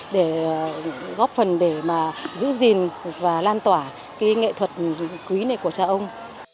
để góp phần để mà giữ gìn và lan tỏa cái nghệ thuật quý này của cha ông